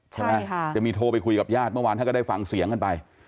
ใช่ไหมจะมีโทรไปคุยกับญาติเมื่อวานท่านก็ได้ฟังเสียงกันไป